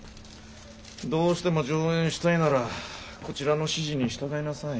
どうしても上演したいならこちらの指示に従いなさい。